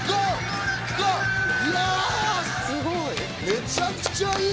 めちゃくちゃいい。